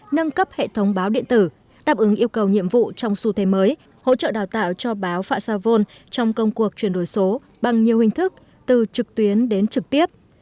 nâng cấp hệ thống báo điện tử đáp ứng yêu cầu nhiệm vụ trong xu thế mới hỗ trợ đào tạo cho báo phạm sa vôn trong công cuộc chuyển đổi số bằng nhiều hình thức từ trực tuyến đến trực tiếp